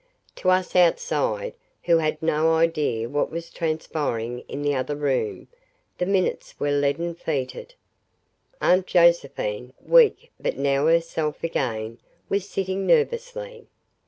To us outside, who had no idea what was transpiring in the other room, the minutes were leaden feeted. Aunt Josephine, weak but now herself again, was sitting nervously.